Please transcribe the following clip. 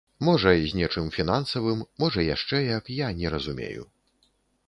Можа, з нечым фінансавым, можа, яшчэ як, я не разумею.